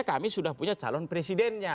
kami sudah punya calon presidennya